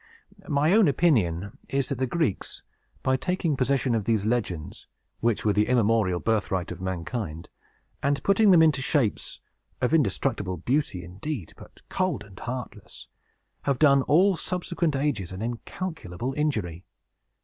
My own opinion is, that the Greeks, by taking possession of these legends (which were the immemorial birthright of mankind), and putting them into shapes of indestructible beauty, indeed, but cold and heartless, have done all subsequent ages an incalculable injury."